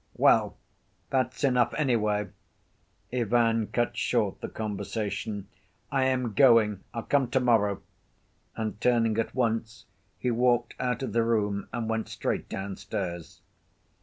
"Well, that's enough, anyway," Ivan cut short the conversation. "I am going. I'll come to‐morrow." And turning at once, he walked out of the room and went straight downstairs.